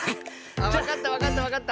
あっわかったわかったわかった！